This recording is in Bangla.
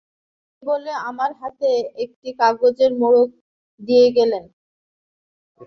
এই বলে আমার হাতে একটি কাগজের মোড়ক দিয়ে গেলেন।